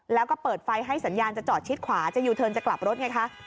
แล้วก็เปิดไฟให้สัญญาณจะจอดชิดขวาจะยูเทิร์นจะกลับรถไงคะ